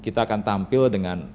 kita akan tampil dengan konsep island